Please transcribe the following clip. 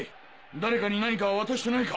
誰かに何か渡してないか？